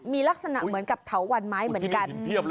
มีลักษณะเหมือนกับเถาวันไม้เหมือนกัน